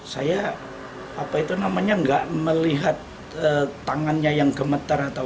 saya tidak melihat tangannya yang gemetar atau apa